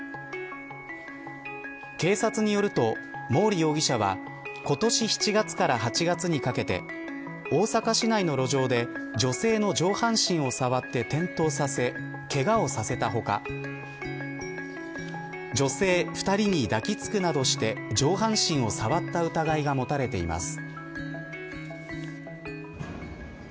警察によると毛利容疑者は今年７月から８月にかけて大阪市内の路上で女性の上半身を触って転倒させ、けがをさせた他女性２人に抱きつくなどして上半身を触った疑いが持たれています。